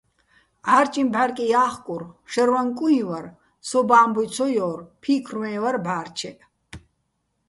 ჺარჭიჼ ბჺარკი ჲა́ხკურ, შაჲრვაჼ კუიჼ ვარ, სო́უბო̆ ა́მბუჲ ცო ჲორ, ფიქრვე́ჼ ვარ ბჺა́რჩეჸ.